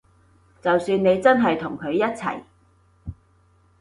就算你真係同佢一齊